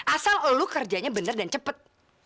asal lu kerjanya bener dan cepet